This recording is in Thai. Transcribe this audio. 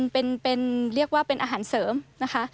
เป็นเรียกว่าเป็นอาหารเสริมนะคะ